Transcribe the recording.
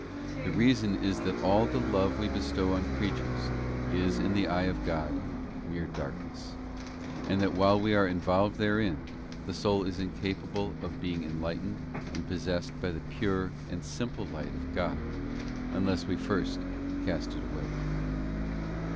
The reason is that all the love we bestow on creatures is in the eyes of God mere darkness, and that while we are involved therein, the soul is incapable of being enlightened and possessed by the pure and simple light of God, unless we first cast it away.